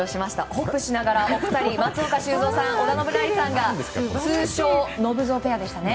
ホップしながらお二人松岡修造さん、織田信成さんが通称のぶぞうペアでしたね。